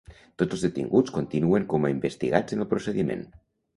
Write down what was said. Tots els detinguts continuen com a investigats en el procediment.